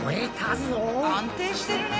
安定してるね。